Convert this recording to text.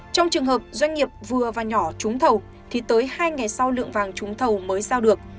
trong trường hợp doanh nghiệp vừa và nhỏ trúng thầu thì tới hai ngày sau lượng vàng trúng thầu mới giao được